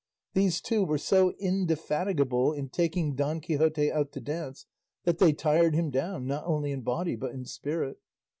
These two were so indefatigable in taking Don Quixote out to dance that they tired him down, not only in body but in spirit.